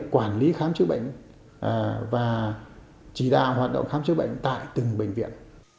quản lý khám chữa bệnh và chỉ đạo hoạt động khám chữa bệnh tại từng bệnh viện